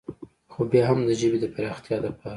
خو بيا هم د ژبې د فراختيا دپاره